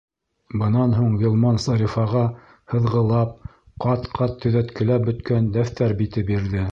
Бынан һуң Ғилман Зарифаға, һыҙғылап, ҡат-ҡат төҙәткеләп бөткән дәфтәр бите бирҙе: